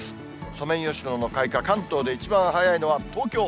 ソメイヨシノの開花、関東で一番早いのは東京。